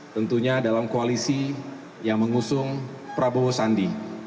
tentunya dalam koalisi yang mengusung prabowo sandi